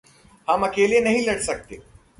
हम अकेले नहीं लड़ सकते.